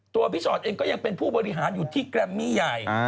พี่ชอตเองก็ยังเป็นผู้บริหารอยู่ที่แกรมมี่ใหญ่